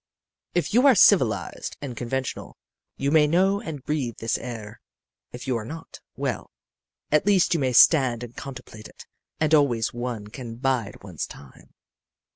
"If you are civilized and conventional you may know and breathe this air. If you are not well, at least you may stand and contemplate it. And always one can bide one's time.